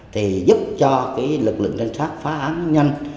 thì giúp cho cái lực lượng đơn sát phá án nhanh